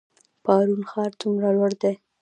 پارون ښار څومره لوړ دی؟